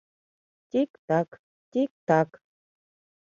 — Тик-так, тик-так.